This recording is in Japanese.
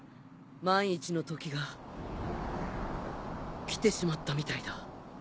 万一の時が来てしまったみたいだ。